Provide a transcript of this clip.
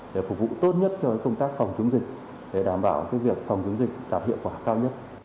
để phục vụ tốt nhất cho công tác phòng chống dịch để đảm bảo việc phòng chống dịch đạt hiệu quả cao nhất